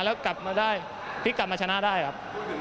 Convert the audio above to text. แล้วกลับมาได้พลิกกลับมาชนะได้ครับ